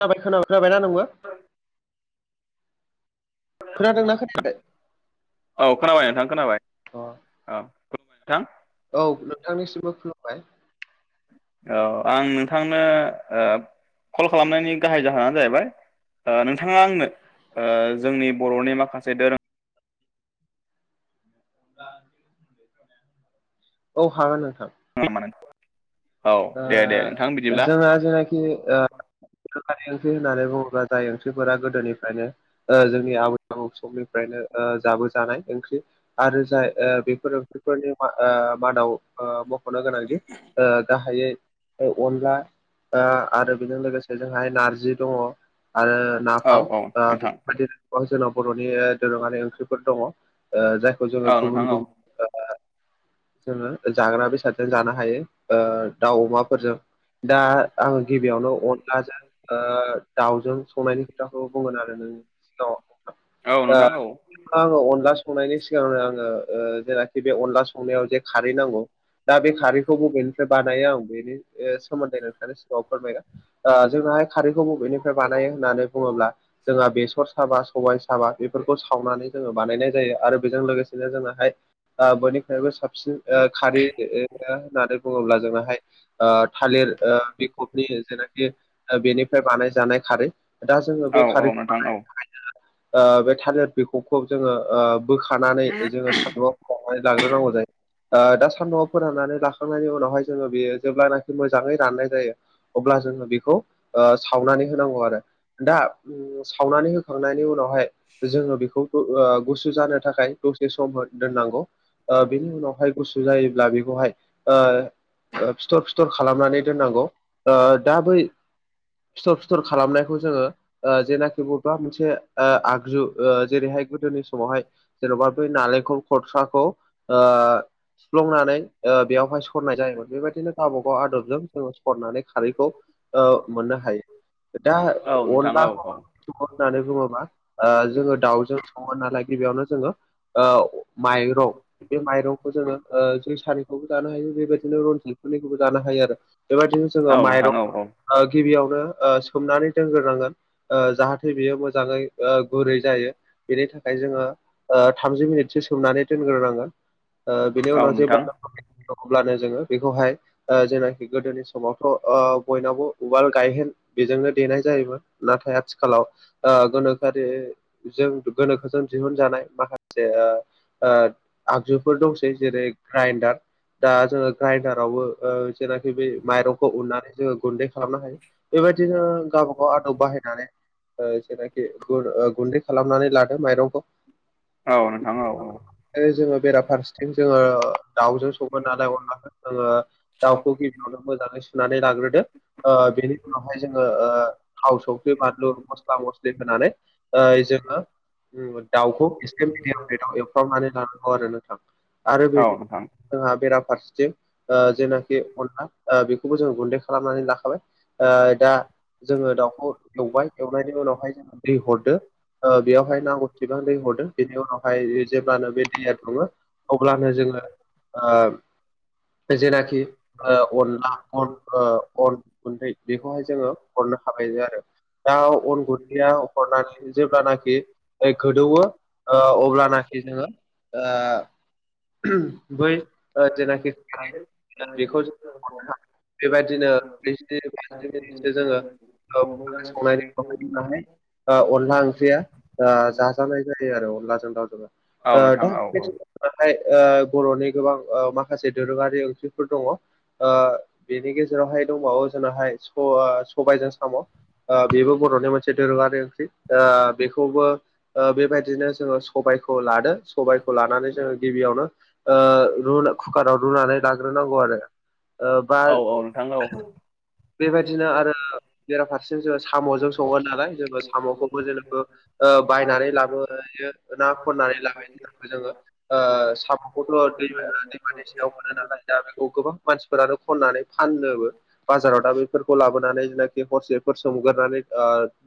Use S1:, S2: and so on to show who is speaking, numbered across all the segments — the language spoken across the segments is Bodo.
S1: खोनाबाय खोनाबाय खोनाबायना नोंबो? खोनादोंना खोनाया
S2: औ खोनाबाय नोंथां खोनाबाय।
S1: अ
S2: औ खुलुमबाय नोंथां।
S1: औ नोंथांनिसिमबो खुलुमबाय।
S2: औ आं नोंथांनो ओ कल खालामनायनि गाहाय जाहोनानो जाहैबाय ओ नोंथाङा आंनो ओ जोंनि बर'नि माखासे दोरों
S1: [inaudible] औ हागोन नोंथां।
S2: [unintelligible] औ दे दे नोंथां
S1: ओ
S2: बिदिब्ला
S1: जोङो जेनाखि ओ गोनोखोआरि ओंख्रि होननानै बुङोब्ला जाय ओंख्रिफोरा गोदोनिफ्रायनो ओ जोंनि आबै-आबौ समनिफ्रायनो ओ जाबोजानाय ओंख्रि आरो जाय ओ बेफोरो ओंख्रिफोरनि ओ मादाव ओ मख'नो गोनांदि ओ गाहायै औ अनला ओ आरो बेजों लोगोसे जोंहाय नारजि दङ आरो
S2: औ
S1: नाफाम
S2: औ
S1: ओ
S2: नोंथां
S1: बेफोरबायदिनो ओ जोंनाव बर'नि ओ दोरोङारि ओंख्रिफोर दङ ओ जायखौ जोङो
S2: औ नोंथां
S1: गुबुन
S2: औ
S1: गुबुन ओ जोङो जाग्रा बेसादजों जानो हायो ओ दाउ-अमाफोरजों दा आङो गिबियावनो अनलाजों ओ दाउजों संनायनि खोथाखौ बुंगोन आरो नों ओ
S2: औ नोंथां औ
S1: आङो अनला संनायनि सिगांनो आङो ओ जेनाखि बे अनला संनायाव जे खारै नांगौ दा बे खारैखौ बबे बानायो आं बेनि ओ सोमोन्दै नोंथांनि सिगाङाव फोरमायगोन ओ जोंहा खा खौ बबेनिफ्राय बानायो होननानै बुङोब्ला जोंहा बेसर साबा, सबाय साबा बेफोरखौ सावनानै जोङो बानायनाय जायो आरो बेजों लोगोसेनो जोङोहाय ओ बयनिख्रुइबो साबसिन ओ खारैओ होननानै बुङोब्ला जोंनाहाय ओ थालिर ओ बिगुरनि जेनाखि ओ बेनिफ्राय बानायजानाय खारै दा जोङो
S2: औ
S1: बे
S2: औ
S1: खारैखौ
S2: नोंथां औ
S1: बानायनो जोङो ओ बे थालिर बिखबखौ जोङो ओ बोखानानै जोङो साव खौहाय लाग्रोनांगौ जायो दा सान्दुंआव फोरननानै ला खांनायनि उनावहाय जोङो बेयो जेब्लानाखि मोजाङै राननाय जायो अब्ला जोङो बेखौ ओ सावनानै होनांगौ आरो दा ओ सावनानै होखांनायनि उनाव बेहाय जोङो बेखौ ओ गुसु जानो थाखाय दसे सम दोननांगौ। ओ बेनि उनावहाय गुसु जायोब्ला बेखौहाय ओ ओ फिथर फि खालामनानै दोननांगौ ओ दा बै फिथर फिथर खालामनायखौ जोङो ओ जेनाखि बबेबा मोनसे ओ आगजु ओ जेरैहाय गोदोनि समावहाय जेन'बा बेै नालेंखल खरसाखौ ओ सुफ्लंनानै ओ बेवहाय सरनाय जायोमोन बेबायदिनो गावबागाव आदबजों जोङो सरनानै खारैखौ ओ मोननो हायो। दा
S2: औ नोंथां औ
S1: अनलाखौ
S2: औ
S1: संङो होननानै बुङोबा ओ जोङो दाउजों सङो नालाय गिबियावनो जोङो ओ माइरं बे माइरंखौ जोङो ओ खारै खौबो जानो हायो बेबायदिनो रनजितफोरनिखौबो जानो हायो आरो बेबायदिनो जोङो
S2: औ नोंथां औ
S1: माइरं
S2: औ
S1: ओ गिबियावनो ओ सोमनानै दोनगोर नांगोन ओ जाहाथे बेयो मोजाङै ओ गुरै जायो बेनि थाखाय जोङो ओ थामजि मिनिटसो सोमनानै दोनगोर नांगोन ओ बिनि
S2: औ
S1: उनाव जेब्ला
S2: नोंथां
S1: अब्लानो जोङो बेखौहाय ओ जेनाखि गोदोनि समावथ' ओ बयनावबो उवाल-गायहेन बेजोंनो देनाय जायोमोन। नाथाय आथिखालाव ओ गोनोखोआरि जों गोनोखोजों दिहुनजानाय माखासे ओ ओ आगजुफोर दंसै जेरै ग्राइडार दा जोङो ग्राइडारावबो ओ जेनाखि बे माइरंखौ उननानै जोङो गुन्दै खालामनो हायो बेबायदिनो गावबा गाव आदब बाहायनानै ओ जेनाखि खुरै ओ गुन्दै खालामनानै लादो माइरंखौ।
S2: औ नोंथां औ औ
S1: ओ जोङो बेराफारसेथिं जोङो दाउजों संगोन नालाय अनलाखौ जोङो दाउखौ गिबियावनो मोजाङै सुनानै लाग्रोदो। ओ बेनि उनावहाय जोङो ओ थाव संख्रि बानलु मस्ला मस्लि होनानै ओ जोङो उम दाउखौ एसे मिदियाम फ्लेदाव एव फ्रामनानै लानांगौ आरो नोंथां आरो
S2: औ
S1: बेनो
S2: नोंथां औ
S1: जोंहा बेराफारसेथिं ओ जेनाखि अनला ओ बेखौबो जों गुन्दै खालामनानै लाखाबाय। ओ दा जोङो दाउखौ एवबाय एवनायनि उनावहाय जोङो दै हरदो। ओ बेयावहाय ना हसेबां दै हरदों बेनि उनावहाय जेब्लानो बे दैया दङो अब्लानो जोङो ओ जेनाखि ओ अनला अन ओ अन गुन्दै बेखौहाय जोङो हरनो हाबाय जायो आरो। दा अन गुथिया हखरनानै जेब्लानाखि गोदौयो ओ अब्लानाखि जोङो ओ बै ओ जेनाखि [unintelligible] बेखौ बेबायदिनो [unintelligible] जोङो [unintelligible] ओ अनला ओंख्रिया ओ जाजानाय जायो आरो अनलाजों दाउजों। ओ दा [unintelligible] ओ बर'नि गोबां ओ माखासे दोरोङारि ओंथिफोर दङ। ओ बेनि गेजेरावहाय दंबावो जोंनावहाय स ओ ़स'ओ सबायजों साम'। ओ बेबो बर'नि मोनसे दोरोङारि ओंख्रि ओ बेखौबो ओ बेबायदिनो जोङो सबायखौ लादों। सबायखौ लानानै जोङो गिबियावनो ओ कुकाराव रुनानै लाग्रोनांगौ आरो ओ बा
S2: औ
S1: बेबायदिनो आरो बेराफारसेजों जोङो साम'जों सङो नालाय जोङो साम'खौबो जेनेखो ओ बायनानै लाबोयो ना खननानै लाबोयो बेखौबो जोङो ओ साम' दै दैमा दै सायाव मोनो नालाय दा बेखौ गोबां मानसिफोरानो खननानै फाननोबो बाजाराव दा बेफोरखौ लाबोनानै जेनाखि हरसेफोर सोमगोरानै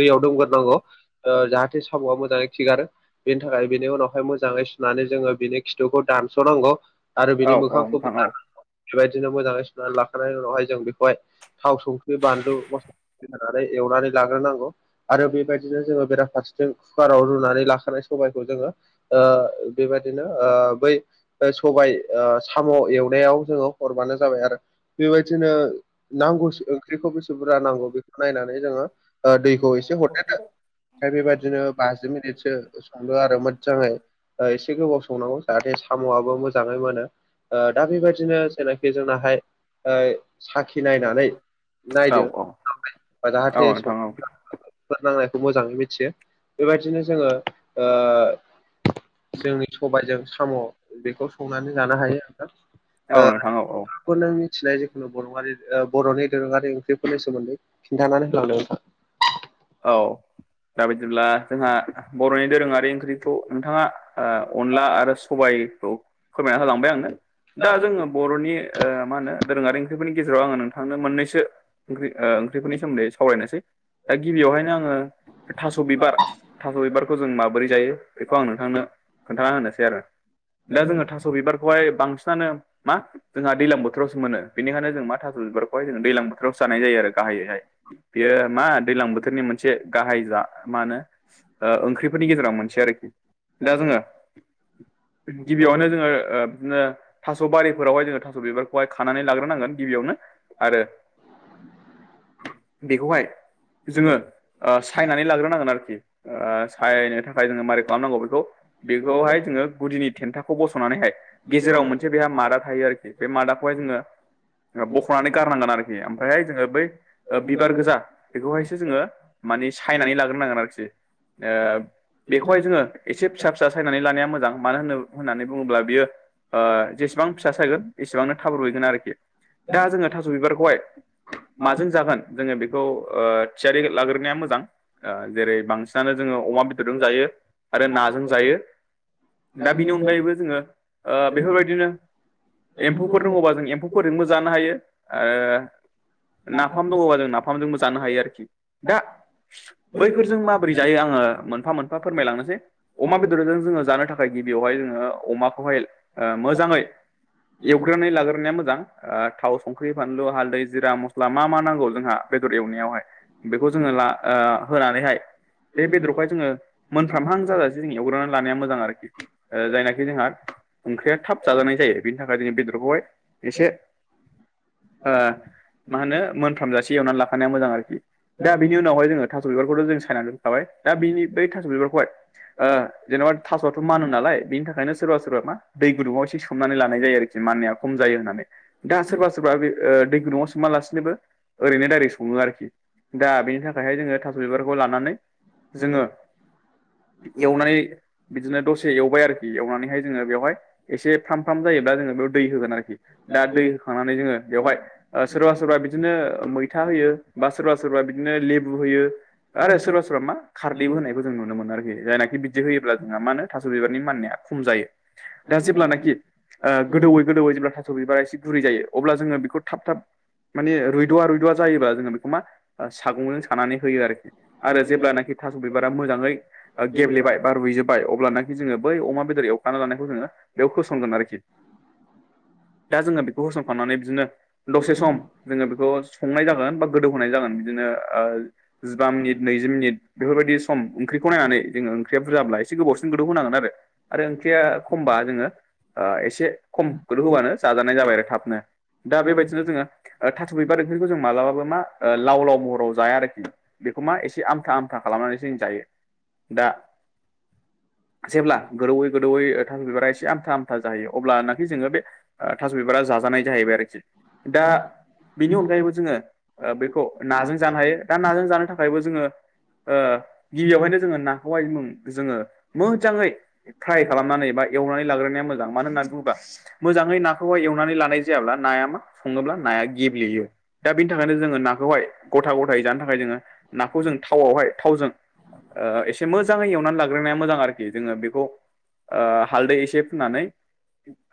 S1: दैयाव दोमगोरोनांगौ जाहाथे साम'आ मोजाङै खिगारो बेनि थाखाय बिनि उनावहाय मोजाङै सुनानै जोङो बिनि खिथुखौ दानस'नांगौ आरो बिनि
S2: औ नोंथां औ
S1: मोखांखौबोनांगौ बेबायदिनो मोजाङै सुनानै लाखांनायनि उनावहाय जों बेखौहाय थाव संख्रि बानलु मस्ला होननानै एवनानै लाग्रोनांगौ आरो बेबायदिनो जोङो बेराफारसेथिं कुकाराव रुनानै लाखानाय सबायखौ जोङो ओ बेबायदिनो बै सबाय साम' एवनायाव जोङो हरबानो जाबाय आरो बेबायदिनो नांगौ ओंख्रिखौ बेसे बुरजा नांगौ बेखौ नायनानै जोङो ओ दैखौ एसे हरदेरदो ओमफ्राय बेबायदिनो बाजि मिनिटसो संदो आरो मोजाङै एसे गोबाव संनांगौ जाहाथे खाम'आबो मोजाङै मोनो। ओ दा बेबायदिनो जायनाखि जोंनाहाय ओ साखि नायनानै
S2: औ
S1: नायदो
S2: औ
S1: जाहाथे स
S2: नोंथां औ
S1: नांनायखौ मोजाङै मिथियो बेबायदिनो जोङो ओ जोंनि सबायजों साम' बेखौ संनानै जानो हायो नोंथां
S2: औ नोंथां औ औ
S1: ओ खौ नों मिथिनाय जखुनु बरङारि बर'नि दोरोङारि ओंख्रिफोरनि सोमोन्दै खिन्थानानै होलांदों
S2: औ दा बायदिब्ला जोंहा बर'नि दोरोङारि ओंख्रिखौ नोंथाङा अनला आरो सबायखौ फोरमायना हालांबाय आंनो दा जोङो बर'नि ओ मा होनो दोरोङारि ओंख्रिफोरनि गेजेराव आङो नोंथांनो मोननैसो ओंख्रिओ ओंख्रिफोरनि सोमोन्दै सावरायनोसै दा गिबियावहायनो आङो थास' बिबार थास' बिबारखौ जों माबोरै जायो बेखौ आं नोंथांनो खोन्थाना होनोसै आरो दा जोङो थास' बिबारखौहाय बांसिनानो मा जोंहा दैलां बोथोरावसो मोनो बेनिखायनो जों मा थास' बिबारखौहाय जों दैलां बोथोराव जानाय जायो आरो गाहायैहाय बेयो मा दैलां बोथोरनि मोनसे गाहाय जा मा होनो ओ ओंख्रिफोरनि गेजेराव मोनसे आरोखि दा जोङो गिबियावनो जोङो बिदिनो थास' बारिफोरावहाय जोङो थास' बिबारखौहाय खानानै लाग्रोनांगोन गिबियावनो आरो बेखौहाय जोङो ओ सायनानै लाग्रोनांगोन आरोखि सायनो थाखाय जोङो मारै खालामनांगौ बेखौ बेखौहाय जोङो गुदिनि थेन्थाखौ बस'नानैहाय गेजेराव मोनसे बेहा मादा थायो आरोखि बे मादाखौहाय जोङो बख'नानै गारनांगोन आरोखि ओमफ्रायहाय जोङो बै बिबार गोजा बेखौहाय जोङो माने सायनानै लाग्रोनांगोन आरोखि ओ बेखौहाय जोङो एसे फिसा फिसा सायनानै लानाया मोजां मानो होनो होननानै बुङोब्ला बियो ओ जेसेबां फिसा सायगोन एसेबांनो था रुयगोन आरोखि दा जोङो थास' बिबारखौहाय माजों जागोन जोङो बेखौ थियारि लाग्रोनाया मोजां जेरै बांसिनानो जोङो अमा जों जायो आरो नाजों जायो दा बिनि अनगायैबो जोङो ओ बेफोरबायदिनो एम्फौफोर दङबा जों एम्फौ ओरैजोंबो जानो हायो। ओ नाफाम दङबा जों नाफामजोंबो जानो हायो आरोखि दा बैफोरजों माबोरै जायो आङो मोनफा मोनफा फोरमायलांनोसै अमा बेदरजों जोङो जानो थाखाय गिबियावहाय जोङो अमाखौहाय मोजाङै एवग्रोनानै लाग्रोनाया मोजां ओ थाव संख्रि फानलु हालदै जिरा मस्ला मा मा नांगौ जोंहा बेदर एवनायावहाय बेखौ जोङो ला ओ होनानैहाय बे बेदरखौहाय जोङो मोनफ्रामहां जाजासे जों एवग्रनानै लानाया मोजां आरोखि ओ जायनाखि जोंहा ओंख्रिया थाब जाजानाय जायो बेनि थाखाय जों बेदरखौहाय एसे ओ मा होनो मोनफ्राम जासे एवनानै लाखानाया मोजां आरोखि दा बेनि उनावहाय जोङो थास' बिबारखौथ' जों सायनानै दोनखाबाय दा बिनि बै थास' बिबारखौहाय ओ जेन'बा थास' आथ' मानो नालाय बिनि थाखायनो सोरबा-सोरबा मा दै गुदुंङाव एसे सोमनानै लानाय जायो आरोखि माननाया खम जायो होननानै दा सोरबा-सोरबा बे ओ दै गुदुङआव सोमालासिनोबो ओरैनो दायरै सङो आरोखि दा बेनि थाख हाय जोङो थास' बिबारखौ लानानै जोङो एवनानै बिदिनो दसे एवबाय आरोखि एवनानैहाय जोङो बेवहाय एसे फ्राम-फ्राम जायोब्ला जोङो बेयाव दै होगोन आरोखि दा दै थांनानै जोङो बेयावहाय ओ सोरबा-सोरबा बिदिनो मैथा होयो बा सोरबा सोरबा बिदिनो लेबु होयो आरो सोरबा- सोरबा मा खारदैबो होनायखौ जों नुनो मोनो आरोखि जायनाखि बिदि होयोब्ला जोंहा मा होन थास' बिबारनि माननाया खम जायो दा जेब्लानाखि ओ गोदौयै गोदौयो जेब्ला थास' बिबार एसे गुरै जायो अब्ला जोङो बेखौ थाब थाब माने रुदुवा रुदुव जायोबा जोङो बेखौ मा सागंजों सानानै होयो आरोखि आरो जेब्लानाखि थास' बिबारा मोजाङै गेब्लेबाय बा रुजोबबाय अब्लाखि जोङो बै अमा बेदरयाव खा जानायखौ जोङो बेयाव होसनगोन आरोखि। दा जोङो बेखौ होसनखानानै बिदिनो दसे सम जोङो बेखौ संनाय जागोन बा गोदौहोनाय जागोन बिदिनो जिबा मिनिट नैजि मिनिट बेफोरबायदि सम ओंख्रिखौ नायनानै जोङो ओंख्रिया बुरजाब्ला एसे गोबावसिन गोदौ होनांगोन आरो आरो ओंख्रिया खमबा जोङो ओ एसे खमखौल होबानो जाजानाय जाबाय आरो थाबनो दा बेबायदिनो जोङो ओ थास' बिबार ओंख्रिखौ जों मालाबाबो मा ओ लाव-लाव महराव जाया आरोखि बेखौ मा एसे आमथा आमथा खालामनानैसो जायो। दा जेब्ला गोरौै गोदौयै ओ थास' बिबारा एसे आमथा आमथा जाहैयो अब्लानाखि जोङो बे ओ थास' बिबारा जाजानाय जाहैबाय आरोखि दा बेनि अनगायैबो जोङो ़ बेखौ नाजों जानो हाय दा नाजों जानो थाखायबो जोङो ओ गिबियावहायनो जोङो नाखौहाय उम जोङो मोजाङै फ्राय खालामनानै बा एवनानै लाग्रोनाया मोजां मानो होननानै बुङोबा मोजाङै नाखौहाय एवनानै लानाय जायाब्ला नाया मा सङोब्ला नाया गेब्लेयो दा बिनि थाखायनो जोङो नाखौहाय गथा-गथायै जानो थाखाय जोङो नाखौ जों थावआवहाय थावजों ओ एसे मोजाङै एवनानै लाग्रोनाया मोजां आरोखि जोङो बेखौ ओ हालदै एसे फुनानै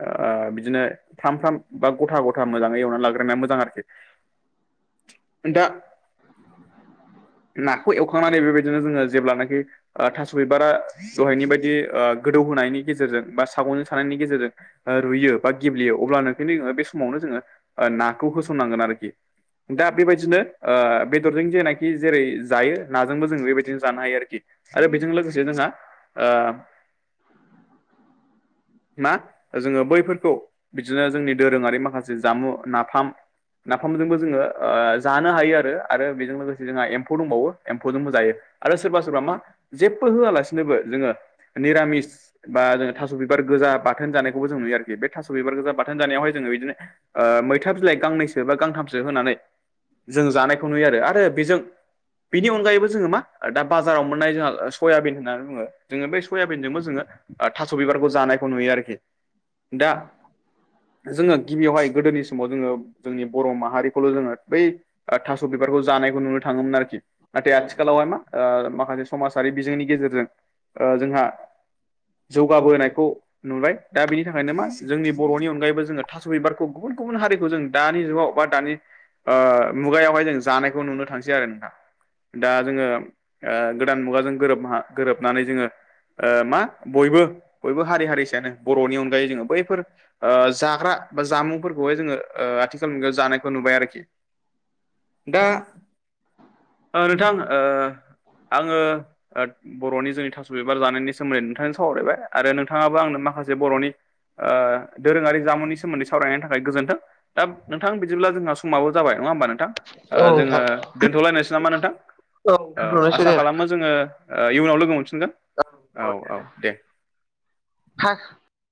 S2: ओ बिदिनो फामफ्राम बा गथा-गथा मोजाङै एवना लाग्रोना मोजां आरोखि दा नाखौ एवखांनानै बेबायदिनो जोङो जेब्लानाखि ओ थास' बिबारा दहायनि बायदि ओ गोदौ होनायनि गेजेरजों बा सागंनि सानायनि गेजेरजों ओ रुयो बा गेब्लेयो अब्लानोंखोनि ओ बे समावनो जोङो ओ नाखौ होसननांगोन आरोखि दा बेबायदिनो ओ बेदरजों जेना कि जेरै जायो नाजोंबो जों बेबायदिनो जानो हायो आरोखि आरो बेजों लोगोसे जोंहा ओ मा जोङो बैफोरखौ बिदिनो जोंनि दोरोङारि माखासे जामु नाफाम-नाफामजोंबो जोङो ओ जानो हायो आरो-आरो बेजों लोगोसे जोंहा एम्फौ दंबावो एम्फौजोंबो जायो आरो सोरबा-सोरबा मा जेबबो होआलासिनोबो जोङो निरामिस बा जोङो थास' बिबार गोजा बाथोन जानायखौबो जों नुयो आरोखि बे थास' बिबार गोजा बाथोन जानायावहाय जोङो बिदिनो ओ मैथा बिलाइ गांनैसो बा गांथामसो होनानै जों जानायखौ नुयो आरो आरो बेजों बिनि अनगायैबो जोङो मा दा बाजाराव मोननाय जोंहा सयाबिन होननानै बुङो जोङो बे सयाबिनजोंबो जोङो थास' बिबारखौ जानायखौ नुयो आरोखि दा जोङो गिबियावहाय गोदोनि समाव जोङो जोंनि बर' माहारिखौल' जोङो बै ओ थास' बिबारखौ जानायखौ नुनो थाङोमोन आरोखि नाथाय आथिखालावहाय मा ओ माखासे समाजारि बिजोंनि गेजेरजों ओ जोंहा जौगाबोनायखौ नुबाय दा बिनि थाखायनो मा जोंनि बर'नि अनगायैबो जोङो थास' बिबारखौ गुबुन गुबुन हारिखौ जों दानि जुगाव बा दानि ओ मुगायावहाय जों जानायखौ नुनो थांसै आरो नोंथां। दा जोङो गोदान मुगाजों गोरोबना गोरोबनानै जोङो ओ मा बयबो बयबो हारि हारिसायानो बर'नि अनगायै जोङो बैफोर ओ जाग्रा बा जामुंफोरखौहाय जोङो आथिखाल मुगायाव जानायखौ नुबाय आरोखि। दा ओ नोंथां ओ आङो बर'नि जोंनि थास' बिबार जानायनि सोमोन्दै नोंथांजों सावरायबाय। आरो नोंथाङाबो आंनो माखासे बर'नि ओ दोरोङारि जामुंनि सोमोन्दै सावरायनायनि थाखाय गोजोन्थों। दा नोंथां बिदिब्ला जोंहा समाबो [unintelligible] नङा होनबा नोंथां ओ
S1: औ
S2: जोङो
S1: नोंथां
S2: दोनथ'लायनोसै नामा नोंथां औ औ
S1: दोनथ'नोसै
S2: आसा
S1: दे
S2: खालाम माजोङो ओ इयुनाव लोगो मोनफिनगोन औ औ दे।
S1: हा